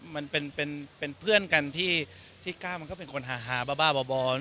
มันเป็นเพื่อนกันที่ก้าวมันก็เป็นคนฮาบ้าบ่อ